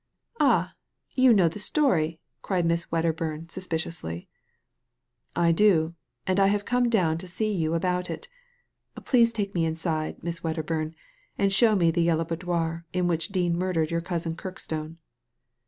" Ah ! you know the story I *' cried Miss Wedder bum, suspiciously. ''I do ; and I have come down to see you about it Please take me inside, Miss Wedderbum, and show me the Yellow Boudoir in which Dean murdered your cousin Kirkstone."